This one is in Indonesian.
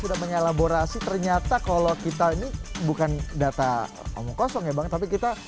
sudah menyalaborasi ternyata kalau kita ini bukan data omong kosong ya banget tapi kita